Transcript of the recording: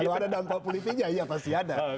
kalau ada dampak politiknya iya pasti ada